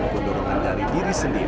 pendorongan dari diri sendiri